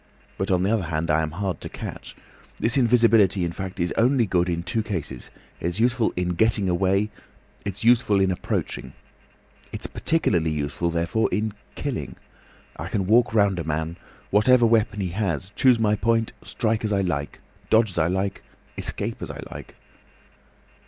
But on the other hand I am hard to catch. This invisibility, in fact, is only good in two cases: It's useful in getting away, it's useful in approaching. It's particularly useful, therefore, in killing. I can walk round a man, whatever weapon he has, choose my point, strike as I like. Dodge as I like. Escape as I like."